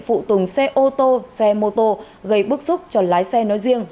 phụ tùng xe ô tô xe mô tô gây bức xúc cho lái xe nói riêng